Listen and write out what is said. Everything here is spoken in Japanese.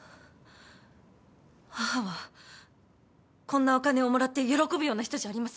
母はこんなお金をもらって喜ぶような人じゃありません。